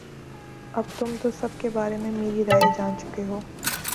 اب تم تو سب کے بارے میں میری رائے جان چکے ہو